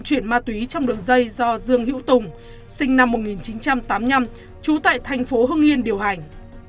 chuyển ma túy trong đường dây do dương hữu tùng sinh năm một nghìn chín trăm tám mươi năm trú tại thành phố hưng yên điều hành